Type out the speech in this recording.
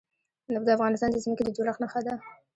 نفت د افغانستان د ځمکې د جوړښت نښه ده.